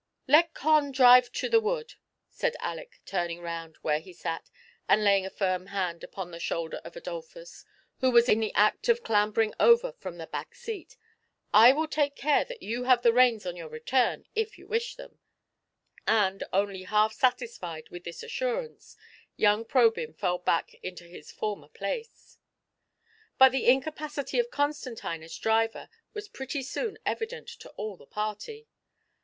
*' Let Con drive to the wood," said Aleck, turning round where he sat, and laying a firm hand upon the shoulder of Adolphus, who was in the act of clambering 126 THE PLEASURE EXCURSION. over from the back seat ;" I will take care that you have the reins on your return, if you wish them ;" and, only half satisfied with this assurance, young Probya fell back into liis former place. But the incapacity of Constantine as driver was pretty soon evident to all the party.